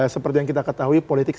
seperti yang kita ketahui politik